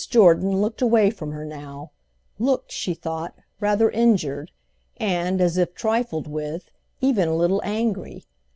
Jordan looked away from her now—looked, she thought, rather injured and, as if trifled with, even a little angry.